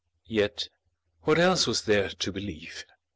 Yet, what else was there to believe?